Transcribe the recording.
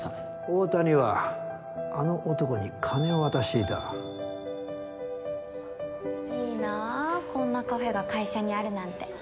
大谷はあの男に金いいなぁこんなカフェが会社にあるなんて。